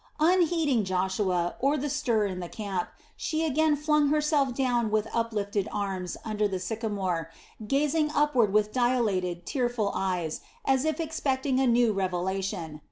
Unheeding Joshua, or the stir in the camp, she again flung herself down with uplifted arms under the sycamore, gazing upward with dilated, tearful eyes, as if expecting a new revelation.